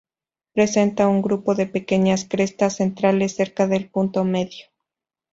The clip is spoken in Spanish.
Presenta un grupo de pequeñas crestas centrales cerca del punto medio.